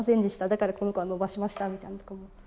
だからこの子は伸ばしましたみたいなとか。